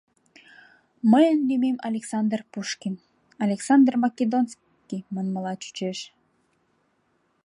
Мыйын лӱмем Александр Пушкин, Александр Македонский манмыла чучеш.